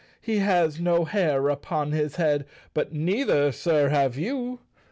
He has no hair upon his head, But neither, Sir, have you!